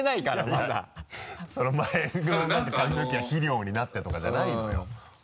前の髪の毛が肥料になってとかじゃないのよ。